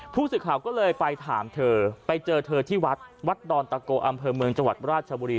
ผู้สื่อข่าวก็เลยไปถามเธอไปเจอเธอที่วัดวัดดอนตะโกอำเภอเมืองจังหวัดราชบุรี